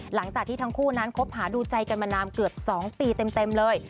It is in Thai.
หลังจากที่ทั้งคู่นั้นคบหาดูใจกันมานานเกือบ๒ปีเต็มเลย